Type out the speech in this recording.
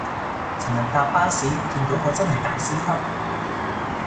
尋日搭巴士見到個真係大師級